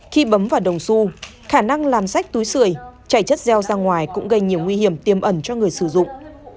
khi bấm vào đồng su khả năng làm sách túi sửa chảy chất gieo ra ngoài cũng gây nhiều nguy hiểm tiêm ẩn cho người sử dụng